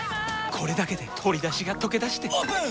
これだけで鶏だしがとけだしてオープン！